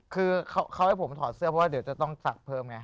คือเขาให้ผมถอดเสื้อเพราะว่าเดี๋ยวจะต้องสักเพิ่มไง